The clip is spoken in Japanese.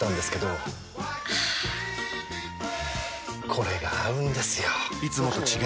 これが合うんですよ！